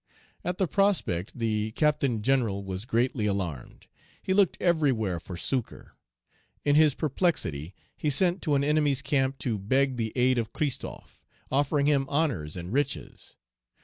At the prospect the Captain General was greatly alarmed. He looked everywhere for succor. In his perplexity, he sent to an enemy's camp to beg the aid of Christophe, offering him honors and riches.